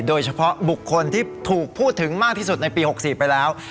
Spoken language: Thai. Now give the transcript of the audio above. โดยเฉพาะบุคคลที่ถูกพูดถึงมากที่สุดในปี๖๔ไปแล้ว